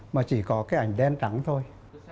mà chỉ có cái ảnh đen trắng thôi